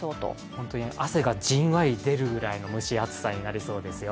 本当に、汗がじんわり出るぐらいの蒸し暑さになりそうですよ。